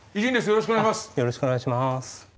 よろしくお願いします。